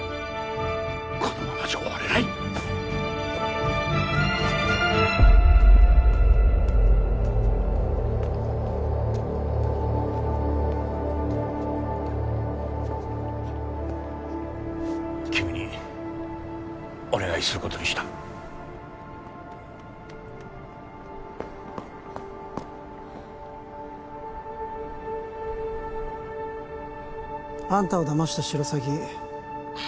このままじゃ終われない君にお願いすることにしたあんたをだましたシロサギ